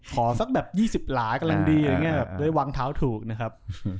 ขอสักแบบ๒๐หลายกำลังดีโดยวางเท้าถูกนะครับ